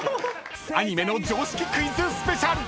［アニメの常識クイズスペシャル！］